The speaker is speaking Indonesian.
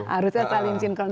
harusnya saling sinkron